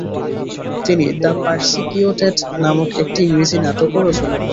তিনি the persecuted নামক একটি ইংরেজি নাটকও রচনা করেন।